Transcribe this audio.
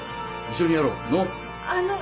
一緒にやろの！